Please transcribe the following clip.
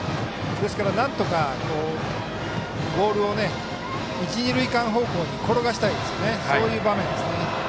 ですから、なんとかボールを一、二塁間方向に転がしたい場面ですね。